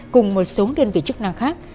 cùng một số đơn vị chức năng khác